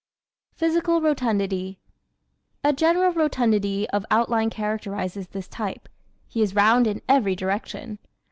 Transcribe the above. Physical Rotundity ¶ A general rotundity of outline characterizes this type. He is round in every direction.